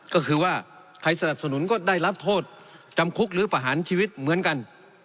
ก็คือว่าใครสนับสนุนก็ได้รับโทษจำคุกหรือประหารชีวิตเหมือนกัน